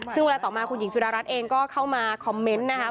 ซึ่งเวลาต่อมาคุณหญิงสุดารัฐเองก็เข้ามาคอมเมนต์นะครับ